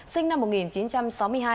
sinh năm một nghìn chín trăm sáu mươi hai